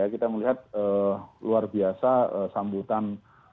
kita melihat luar biasa sambutan